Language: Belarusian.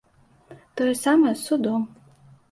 Тое самае з судом.